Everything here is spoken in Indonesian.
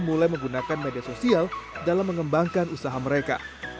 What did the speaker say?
mulai menggunakan media sosial dalam mengembangkan usaha mereka